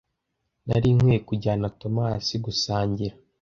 Nari nkwiye kujyana Thomas gusangira.